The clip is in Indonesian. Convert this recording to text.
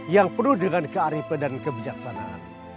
yang penuh dengan kearifan dan kebijaksanaan